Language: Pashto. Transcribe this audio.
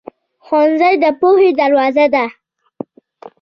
ښوونځی د پوهې دروازه ده.